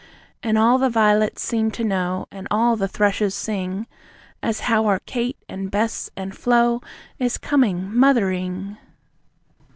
And all the vi'lets seem to know, and all the thrushes sing, As how our Kate, and Bess and Flo is coming Mothering.